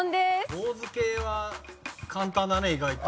「坊主系は簡単だね意外と」